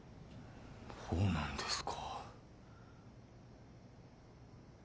ほうなんですか